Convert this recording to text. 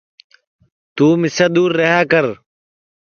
توں مِسے دؔور رہیا کر